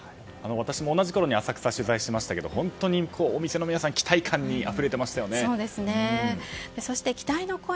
私も同じころに浅草を取材しましたけど本当にお店の皆さん期待感にあふれてましたよね。